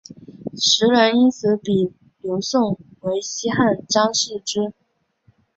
时人因此比刘颂为西汉张释之。